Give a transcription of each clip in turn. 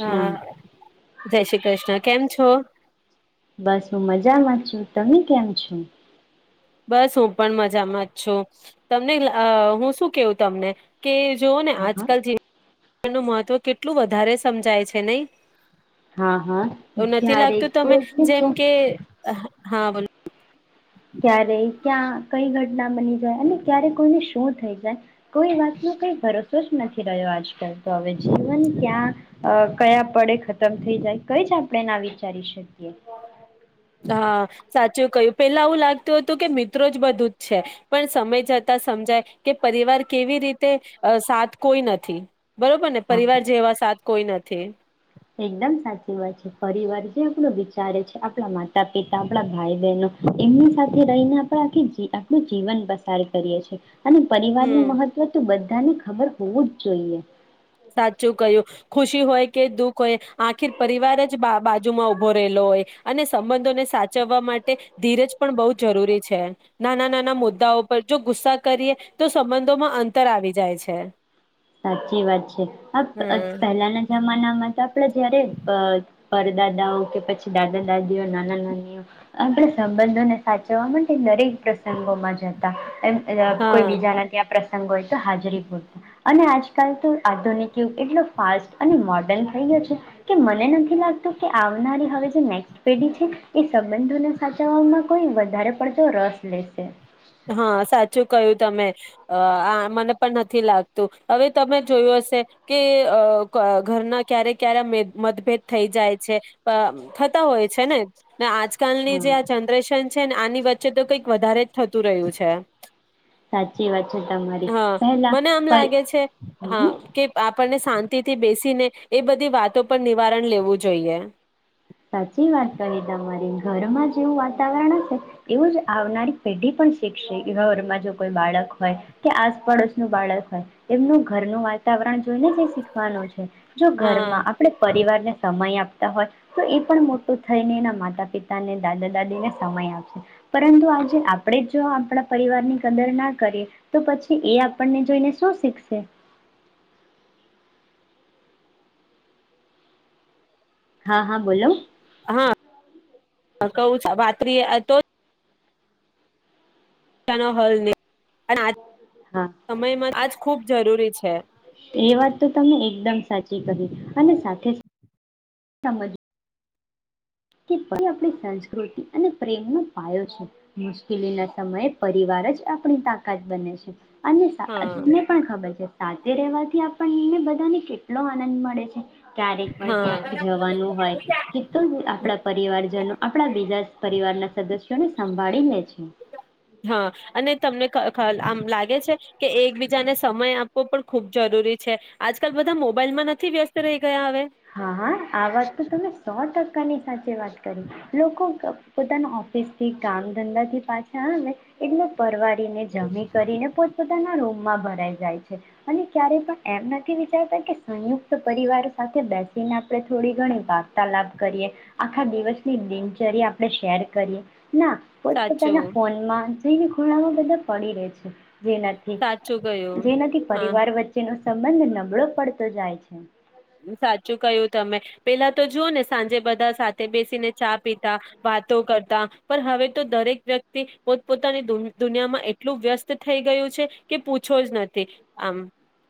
હા જય શ્રી કૃષ્ણ, કેમ છો? બસ હું મજામાં છું, તમે કેમ છો? બસ હું પણ મજામાં જ છું, તમને હું શું કેવું તમને કે જોઓ ને હા હા આજકલથી નું મહત્વ કેટલું વધારે સમજાય છે નહીં હા હા એવું નથી ક્યારેક લાગતું તમે કોઈને જેમ શું કે હા બોલો ક્યારે ક્યાં કઈ ઘટના બની જાય અને ક્યારે કોઈને શું થઈ જાય કોઈ વાત નો કઈ ભરોસો જ નથી રહ્યો આજકાલ તો હવે. જીવન ત્યાં અ કયા પડે ખતમ થઈ જાય કઈ જ આપણેે ના વિચારી શકીએ. હા સાચું કહ્યું પેલા આવું લાગતું હતું કે મિત્રો જ બધું જ છે પણ સમય જતા સમજાય કે પરિવાર કેવી રીતે સાથ કોઈ નથી બરોબર ને હા પરિવાર જેવા સાથ કોઈ નથી. છે એકદમ સાચી વાત છે પરિવાર જે આપણો વિચારે છે આપણા માતા-પિતા આપણા ભાઈ-બહેનો એમની સાથે રહીને આપણે આખી આપણું જીવન પસાર કરીએ છીએ અને પરિવારનું હમ મહત્વ તો બધું બધાને ખબર હોવું જ જોઈએ. સાચું કહ્યું ખુશી હોય કે દુઃખ હોય આખીર પરિવાર જ બા બાજુમાં ઉભો રહેલો હોય અને સંબંધોને સાચવવા માટે ધીરજ પણ બહુ જરૂરી છે. નાના-નાના મુદ્દાઓ પર જો ગુસ્સા કરીએ તો સંબંધોમાં અંતર આવી જાય છે. સાચી વાત છે, અ હ પહેલાના જમાનામાં આપણે જયારે પ-પરદાદાઓ કે પછી દાદા-દાદીઓ, નાના-નાનીઓ આપણા સંબંધોને સાચવવા માટે દરેક પ્રસંગોમાં જતા. એમ એ કોઈ હા બીજાના ત્યાં પ્રસ અંગ હોયતો હાજરી પૂરતા. અને આજકાલ તો આધુનિક યુગ એટલો ફાસ્ટ અને મોડ ડન થઈ ગયો છે કે મન નને નથી લાગતું કે આવનારી હવે જે નેક્સ્ટ પેઢી છે એ સંબંધોને સાચવવામાં કોઈ વધારે પડતો રસ લેશે. હા, સાચું કયું તમે. અહ આ મને પણ નથી લાગતું. હવે તમે જોયું હશે કે અહ ક ઘરના ક્યારે ક્યારે મેત મતભેદ થઈ જાય છે. પા થતા હોય છે ને. ને આજકાલની હા જે આ જનરેશન છ ને આની વચ્ચે તો કંઈક વધારે થતું રહ્યું છે. સાચી વાત છે તમારી હા પહેલા મને આમ પર લાગે છે હમ હા કે આપણને શાંતિ થી બેસીને એ બધી વાતો પર નિવારણ લેવું જોઈએ. સાચી વાત કરી તમારી. ઘરમાં જેવું વાતાવરણ હશે એવું જ આવનારી પેઢી પણ શીખશે. ઘરમાં જો કોઈ બાળક હોય કે આસપડોસનું બાળક હોય, એમનું ઘરનું વાતાવરણ જોઈને જ શીખવાનું છે. જો હા ઘરમાં આપડે પરિવારને સમય આપ તા હોય તો એ પણ મોટું થઈને એના માતા-પિતાને દાદા-દાદીને સમય આપશે પરંતુ આજે આપણે જો આપણા પરિવારની કદર ના કરીએ તો પછી એ આપણને જોઈને શું શીખશે? હા હા બોલો હા હ કહું [inaudible] નો હલ [inaudible] અને આજ હા સમયમાં આજ ખુબ જરૂરી છે. એ વાત તો તમને એકદમ સાચી કહી અને સાથે સમજવું કે જે પણ આપણી સંસ્કૃતિ અને પ્રેમનોો પાયો છે. મુશ્કેલી ના સમયે, પરિવાર જ આપણી તાકાત બને છે. અને હા તમને પણ ખબર છે. સાથે રહેવાથી આપણને બધાને કેટલો આનંદ મળે છે. ક્યારેક પણ, હા ક્યાંક જવાનું હોય, કે તો આપડા... પરિવારજનો, આપણા બીજા પરિવારના સદસ્યોને સંભાળી લે છે. હા, અને તમને... હમ્, આમ લાગે છે... કે, એકબીજાને સમય આપવો પણ ખુબ જરૂરી છે આજકાલ, બધા મોબાઈલમાં નથી વ્યસ્ત રહી... ગયા હવે હા, આ વાત તો તમે સો ટકા... પોની સાથે વાત કરી. લોકો પોતાના ઓફિસ થી, કામ ધંધાથી, પાછા આવે એટલે પરવાળને જમી કરીને, પોતપોતાના રૂમમાં ભરાઈ જાય છે. અને ક્યારેય પણ એમ નથી વિચારતા કે, સંયુક્ત પરિવાર સાથે... બેસીને, આપણે થોડી ઘણી વાર્તાલાપ કરીએ. આખા દિવસની દિનચર્યા, આપણે શેર કરીએ. ના, પો તોતાના સાચું ફોનમાં... જઈને ખુલામાં બધા પડી રે છે. સાચું ગયું જેનાથી હા પરિવાર વચ્ચેનો... સંબંધ નબળો પડતો જાય છે. સાચું કહ્યું, તમે પેલા તો જુઓ ને, સાંજે બધા સાથે બેસીને ચા પીતા, વાતો કરતા, પણ હવે તો દરેક વ્યક્તિ પોતપોતાની દુનિયામાં એટલું વ્યસ્ત થઈ ગયું છે કે, પૂછો જ નથી આમ...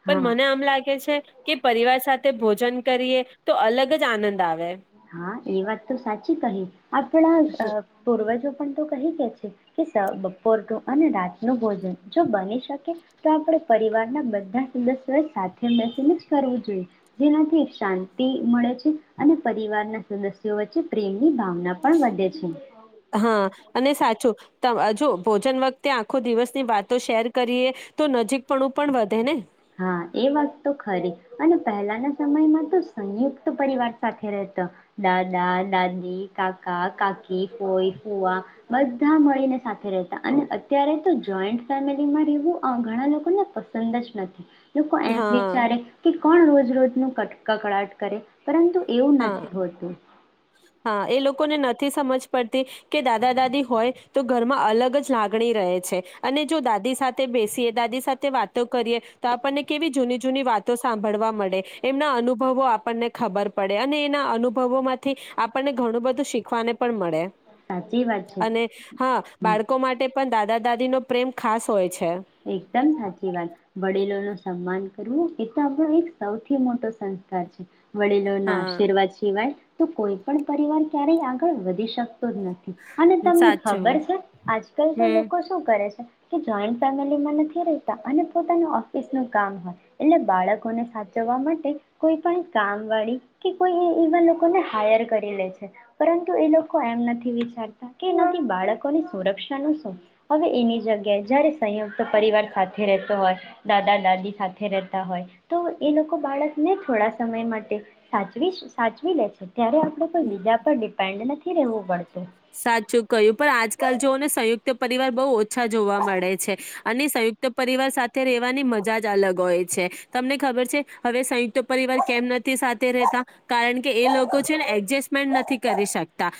પણ, હા મને આમ લાગે છે કે, પરિવાર સાથે... ભોજન કરીએ, તો અલગ જ આનંદ આવે. હા, એ વાત તો સાચી કહી. આપણા અ પૂર્વજો પણ તો કહી કે, છે કે બપોરનું અને રાત ન ભોજન, જો બની શકે તો, આપણે પરિવારના બધા સદસ્યો સાથે મેસીને જ કરવું જોઈએ. જેનાથી શાંતિ મળે છે અને... પરિવારના સદસ્યો વચ્ચે પ્રેમ... ની ભાવના પણ વધે છે. હા અને સાચું જો, ભોજન વખતે આખો દિવસની વાતો શેર કરીએ, તો નજીક પણું પણ વધે ને? હા, એ વાત તો ખરી. અને પહેલાના સમયમાં તો સંયુક્ત પરિવાર સાથે રહેતા, દાદા-દાદી, કાકા-કાકી, ફઈ-ફુવા, બધા મળીને સાથે રહેતા. અને અત્યારે તો જોઈન્ટ ફેમિલીમાં રહેવું ઘણા લોકોને પસંદ જ નથી. હા. લોકો એમ હા વિચારે કે, કોણ રોજ-રોજનું કટ કકરાટ કરે? પરંતુ, એવું હા નથી હોતું. કોને નથી સમજ પડતી કે, દાદા-દાદી હોય તો ઘરમાં અલગ જ લાગણી રહે છે. અને જો દાદી સાથે બેસીએ દાદી સાથે વાતો કરીએ તો આપણને કેવી જૂની જૂની વાતો સાંભળવા મળે. એમના અનુભવો આપ પણને ખબર પડે. અને એના અનુભવો માંથી આપણને ઘણું બધું શીખવાને પણ મળે. સાચી વાત છે અને હા, બાળકો માટે પણ દા દા-દાદીનો પ્રેમ ખાસ હોય છે. એકદમ સાચી વાત વડીલોનું સન્માન કરવું [unintelligible] સૌથી મોટો સંસ્કાર છે. વડીલોના હા આશીર્વાદ શિવાય તો કોઈ પણ પરિવાર ક્યારેય આગળ વધી શ કતો જ નથી અને તમને સાચું ખબર છે આજકાલ તો હમ લોકો શું કરે છે? કે જોયન્ટ ફેમિલીમાં નથી રેતા અને પોતાનું ઓફિસનું કામ હોય એટલે બાળકોને સાચવવા માટે કોઈ પણ કામવાળી કે કોઈ એ એવા લોકોને હાયર કરી લે છે, પરંતુ એ લોકો એમ નથી વિચારતા કે એનાથી બાળકોની સુરક્ષા નું શું? અવે એની જગ્યાએ જયારે સંયુક્ત પરિવાર સાથે રહેતો હોય, દાદા-દાદી સાથે રહેતા હોય, તો એ લોકો બાળકને થોડા સમય માટે સાચવી સાચવી લે છે. ત્યારે આપડે કોઈ બીજા પર ડિપેન્ડ નથી. થી રેહવુ પડશે. સાચું કય્યું, પણ આજકાલ જોઓને સંયુક્ત પરિવાર બઉ ઓછા જોવા મળે છે અને સંયુક્ત પરિવાર સાથે રહેવાની મજા જ અલગ હોય છે, તમને ખબર છે હવે સંયુક્ત પરિવાર કેમ નથી સાથે રહેતા, કારણ કે એ લોકો છેને એડજસ્ટમેન્ટ નથી કરી શકતા.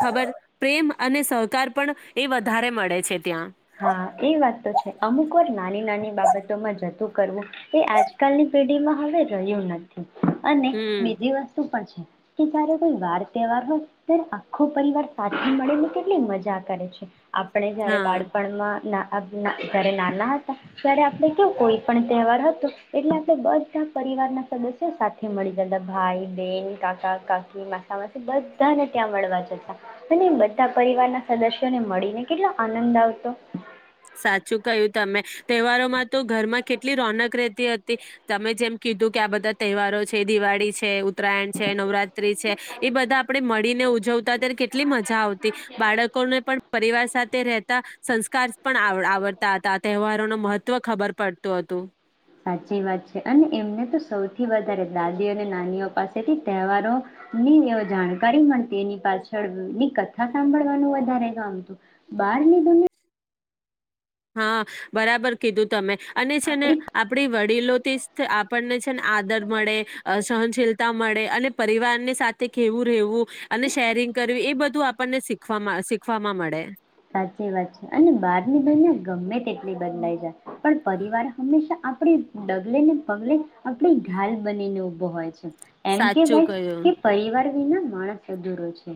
ખબર, પ્રેમ અને સહકાર પણ એ વધારે મળે છે ત્યાં. હા એ વાત તો છે, અમુક વાર નાની-નાની બાબતોમાં જતું કરવું એ આજકાલની પેઢીમાં હવે રહ્યું નથી. અને હમ બીજી વસ્તુ પણ છે. કે જયારે કોઈ વાર તહેવાર હોય ત્યારે આખો પરિવાર સાથે મળી ને કેટલી મજા કરે છે. આપડે જયારે હા બાળ ના ના, જયારે નાના હતા ત્યારે આપણે કેવું કોઈ પણ તહેવાર હતો, એટલે આપણે બધા પરિવારના સદસ્યો સાથે મળી જતા. ભાઈ, બેન, કાકા, કાકી માસા, માસી, બધાને ત્યાં મળવા જતા અને બધા પરિવારના સદસ્યોને મળીને કેટલો આનંદ આવ તો સાચું કયું તમે, તહેવારોમાં તો ઘરમાં કેટલી રોનક રહેતી હત તી, તમે જેમ કીધું કે આ બધા તહેવારો છે, દિવાળી છે, ઉત ઉત્તરાયણ છે, નવરાત્રી છે, એ બધા આપડે મળીને ઉજાવ તા ત્યારે કેટલી મજા આવ તી બાળકોને પણ પરિવાર સાથે રહેતા સંસ્કાર પણ આવડ આવડતા હતા, આ તહેવારો ન મહત્વ ખબર પડતું હતું. સાચી વાત છે અને એમને તો સૌથી વધારે દાદીઓ અને નાનીઓ પાસેથી તહેવારો ની એ જાણકારી મળતી એની પાછળની કથા સાંભળવાનું વધારે ગમતું. બહારની દુનિયા હા, બરાબર કીધું તમે અને છે ને આપણી આપડી વડીલોથી [unintelligible] આપણને છે ને આદર મળે, સહનશીલતા મળે અને પરિવારની સાથે કેવું રેહવું અને શેરિંગ કરવી એ બધું આપણને શીખ શીખવામાં મળે. સાચી વાત છે અને બાર ની બનને ગમે તેટલી બદલાય છેાય, પણ પરિવાર હંમેશા આપડી ડગલે ને પગલે આપણે ઘાલ બનીને ઉભ ભુ હોય છે. એમ સાચું કેવાાય કહ્યું. કે પરિવાર અહીંયા માણસ અધૂરો છે.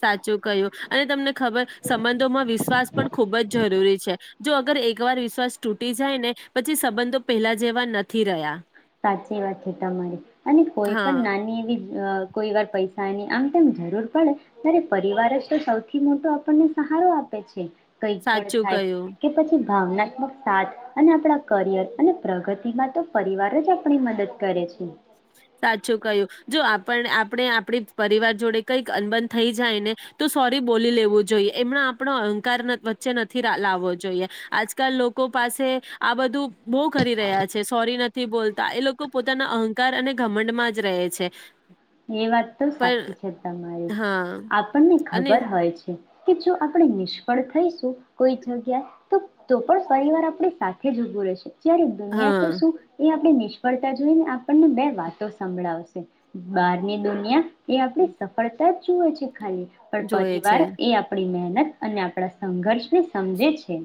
સાચું કય્યું અને તમને ખબર સંબંધોમાં વિશ્વાસ પણ ખૂબજ જરૂરી છે, જો અગર એકવાર વિશ્વાસ તૂટી જાય ને પછી સંબંધો પહેલા જેવા નથી રહ્યા. સાચી વાત છે, તમારી અને કોઈ હા, પણ નાની એવી. અ કોઈ વાર પૈસાની આમ તેમ જરૂર પડે, ત્યારે પરિવાર જ તો સૌથી મોટો આપણને સહારો આપે છે. કઈ પણ સાચું થાય કહ્યું. કે પછી ભાવનાત્મક સાથ અને આપણા કરિયર અને પ્રગતિમાં તો પરિવાર જ આપણી મદદ કરે છે. સાચું કય્યું, જો આપ આપણે આપડી પરિવાર જોડે કઈક અનબન થઈ જાય ને, તો સોરી બોલી લેવું જોઈએ, એમના આપણો અહંકાર વચ્ચે નથી લાવવો જોઈએ, આજકાલ લોકો પાસે આ બધું બહ કરી રહ્યા છે, સોરી નથી બોલતા એ લોકો પોતાના અહંકાર અને ઘમંડમા જ રહે છે. એ વાત તો પણ સાચી છે, તમારી, હા આપણને અને ખબર હોય છે કે જો આપણે નિષ્ફળ થઈશું, કોઈ જગ્યા, તો તો પણ પરિવાર આપણી સાથે જ ઉભું રહેશે જયારે દુનિયા તો હા શું એ આપણે નિષ્ફળતા જોઈને, આપણને બે વાતો સંભળાવશે બહારની દુનિયા એ આપણી સફળ તા જુએ છે. ખાલી પણ જોએ છે પરિવાર એ આપણી મહેન અને આપણા સંઘર્ષ ને સમજે છે.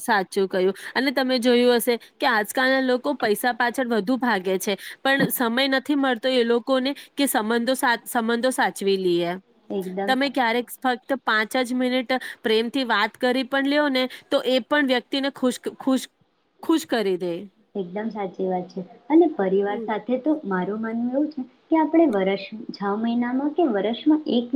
સાચું કયું અને તમે જોયું હશે કે આજકાલના લોકો પૈસા પાછળ વધુ ભાગે છે, પણ સમય નથી, મળતો એ લોકોને કે સંબંધો, સંબંધો સાચવી લઈએ. એકદમ તમે સાચું. ક્યારેક [unintelligible] પાંચ જ મિનિટ પ્રેમ થી વાત કરી પણ લ્યો ને તો એ પણ વ્યક્તિને ખુશ ખુશ ખુશ કરી દે. એકદમ સાચી વાત છે, અને પરિવાર હમ. સાથે તો મારું માનવું એવું છે કે આપણે વરસ છે મહિનામાં કે વર્ષમાં એક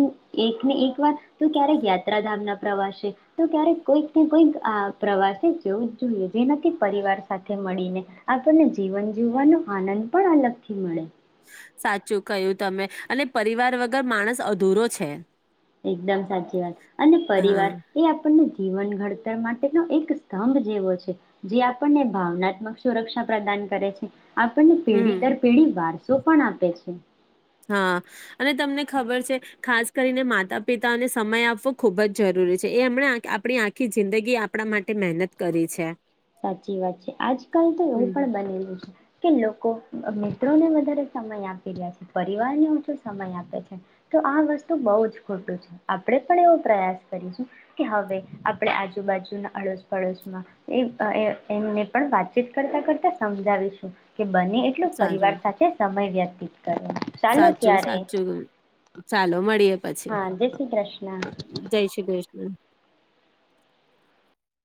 એકને એક વાર તો ક્યારેક યાત્રાધામ ના પ્રવાસે, તો ક્યારેક કોઈક ને કોઈક આ પ્રવાસેવું જ જોઈએ જેનાથી પરિવાર સાથે મળીને આપણને જીવન જીવવાનો આનંદ પણ અલગથી મળે. સાચું કયું તમે, અને પરિવાર વગર માણસ અધૂરો છે. એકદમ સાચી વાત અને હા પરિવાર એ આપણને જીવન ઘડતર માટેનો એક સ્તંભ જેવો છે, જે આપણને ભાવનાત્મક સુરક્ષા પ્રદાન કરે છે. આપણને પેઢી હમ દર પેઢી વાર શું પણ આપે છે. હા અને તમને ખબર છે ખાસ કરીને માતા પિતાને સમય આપવો ખૂબ જ જરૂરી છે, એ એમણે આપણી આખી જિંદગી આપણા માટે મહેનત કરી છે. સાચી વાત છે, આજકાલ તો એવું હમ પણ બનેલું છે કે લોકો મિત્રોને વધારે સમય આપી રહ્યા છે, પરિવારને હ જો સમય આપે છે, તો આ વસ્તુ બહુ જ ખોટું છે, આપણેે પણ એવો પ્રયાસ કરીશું કે હવે આપણે આજુબાજુના અડોશ પડોશમાં એ એ એમને પણ વાતચીત કરતા કરતા સમજાવીશું કે બને એટલો પરિવાર સારું સાથે સમય વ્યતીત કરો ચાલો સાચું ત્યારે સાચું ચાલો મળીએ [inaudible] પછી હા જય શ્રી કૃષ્ણ. [inaudible]